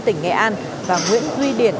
tỉnh nghệ an và nguyễn duy điển